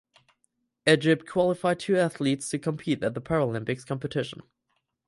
Egypt qualified two athletes to compete at the Paralympics competition.